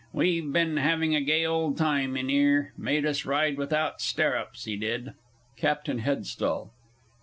We've bin having a gay old time in 'ere made us ride without sterrups, he did! CAPTAIN HEADSTALL.